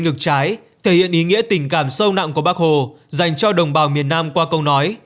ngực trái thể hiện ý nghĩa tình cảm sâu nặng của bác hồ dành cho đồng bào miền nam qua câu nói